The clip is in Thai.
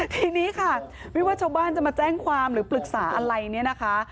ทีนี้ค่ะไม่ว่าชาวบ้านจะมาแจ้งความหรือปรึกษาอะไรเนี่ยนะคะ